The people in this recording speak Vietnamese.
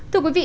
thưa quý vị